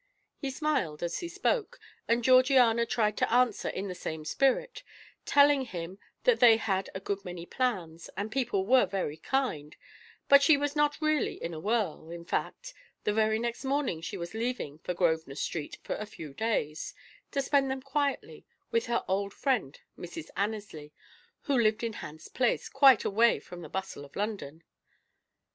He smiled as he spoke, and Georgiana tried to answer in the same spirit, telling him that they had a good many plans, and people were very kind, but she was not really in a whirl, in fact, the very next morning she was leaving for Grosvenor Street for a few days, to spend them quietly with her old friend Mrs. Annesley, who lived in Hans Place, quite away from the bustle of London.